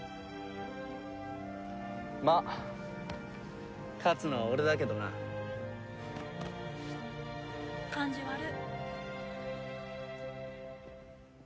まあ勝つのは俺だけどな。感じ悪っ。